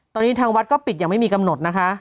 ตอนนี้ทางวัดก็ปิดอย่างไม่มีกำหนดนะคะ